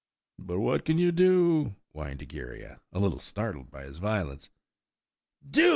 "But what can you do?" whined Egeria, a little startled by his violence. "Do?"